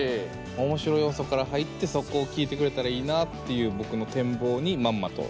面白要素から入ってそこを聴いてくれたらいいなっていう僕の展望にまんまと。